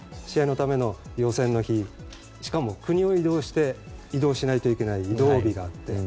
試合のための予選の日しかも国を移動して移動しないといけない移動日があって。